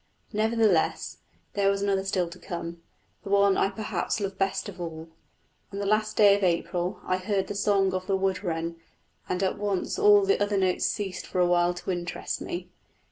Nevertheless, there was another still to come, the one I perhaps love best of all. On the last day of April I heard the song of the wood wren, and at once all the other notes ceased for a while to interest me.